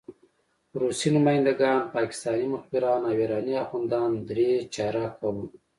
روسي نماینده ګان، پاکستاني مخبران او ایراني اخندان درې چارکه وو.